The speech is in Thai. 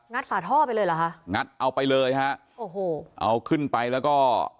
ฝาท่อไปเลยเหรอคะงัดเอาไปเลยฮะโอ้โหเอาขึ้นไปแล้วก็